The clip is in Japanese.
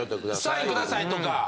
サインくださいとか。